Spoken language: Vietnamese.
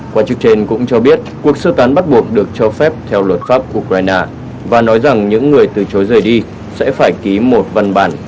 quan chức trên cũng cho biết cuộc sơ tán bắt buộc được cho phép theo luật pháp ukraine và nói rằng những người từ chối rời đi sẽ phải ký một văn bản